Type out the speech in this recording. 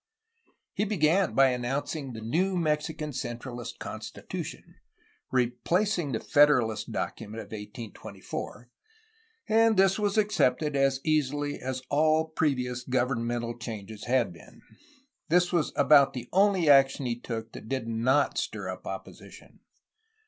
He began by announcing the new Mexican centralist con stitution, replacing the federalist document of 1824, — and this was accepted as easily as all previous governmental changes had been. This was about the only action he took that did not stir up oppostition.